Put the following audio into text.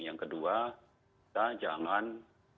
yang kedua kita jangan